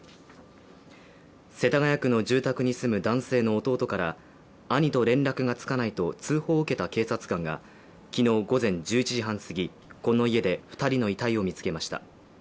世田谷区の住宅に住む男性の弟から、兄と連絡がつかないと通報を受けた警察官が、昨日午前１１時半過ぎこの家で２人の遺体を見つけました。